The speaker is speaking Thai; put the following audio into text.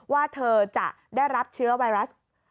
ว่าเธอจะได้รับเชื้อไวรัส